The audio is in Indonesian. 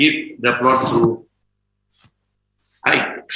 saya berikan papan ke